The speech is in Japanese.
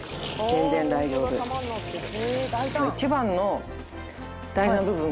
一番の大事な部分がこれ！